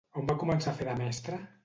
On va començar a fer de mestra?